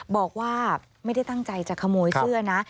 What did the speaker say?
บอกว่าไม่ได้ตั้งใจจะขโมยเสื้อนะ